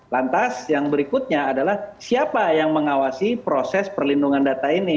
lantas yang berikutnya adalah siapa yang mengawasi proses perlindungan data ini